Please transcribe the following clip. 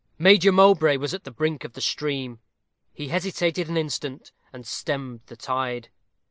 Major Mowbray was at the brink of the stream. He hesitated an instant, and stemmed the tide.